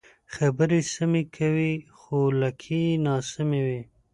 خبرې سمې کوې خو لکۍ یې ناسمې وي.